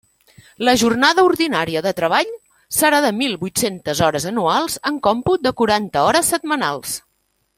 La jornada ordinària de treball serà de mil vuit-centes hores anuals, en còmput de quaranta hores setmanals.